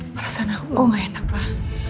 perasaan aku gak enak pak